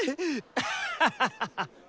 ハハハハハ！